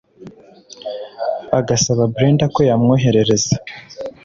agasaba Brenda ko yamwoherereza